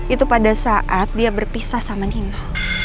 itu pada saat dia berpisah sama gimbal